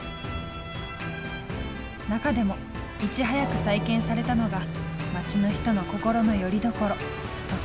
中でもいち早く再建されたのが町の人の心のよりどころ時の鐘。